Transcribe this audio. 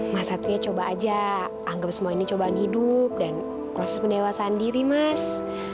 mas atria coba aja anggap semua ini cobaan hidup dan proses pendewasaan diri mas